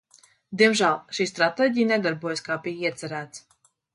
Diemžēl šī stratēģija nedarbojās, kā bija iecerēts.